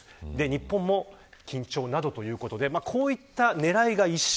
日本も緊張、などということでこういった狙いが一緒。